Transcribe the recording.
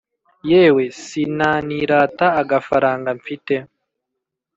Yewe sinanirata agafaranga mfite